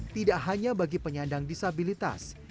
tidak hanya bagi penyandang disabilitas